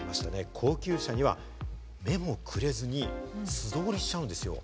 高級車には目もくれずに素通りしちゃうんですよ。